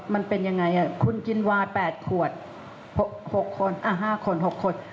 มันเป็นยังไงอ่ะคุณกินวายแปดขวดหกคนอ่ะห้าคนหกคน